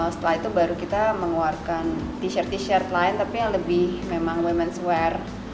setelah itu baru kita mengeluarkan t shirt t shirt lain tapi yang lebih memang ⁇ womens ⁇ wear